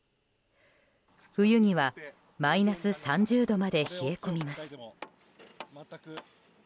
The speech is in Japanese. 冬にはマイナス３０度まで冷え込みます。